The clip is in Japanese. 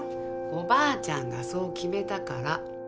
おばあちゃんがそう決めたから。